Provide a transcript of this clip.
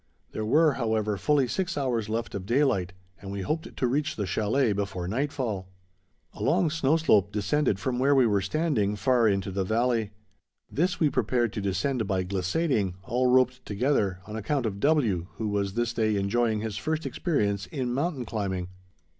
There were, however, fully six hours left of daylight, and we hoped to reach the chalet before nightfall. A long snow slope descended from where we were standing, far into the valley. This we prepared to descend by glissading, all roped together, on account of W., who was this day enjoying his first experience in mountain climbing.